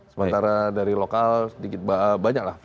sementara dari lokal sedikit banyak lah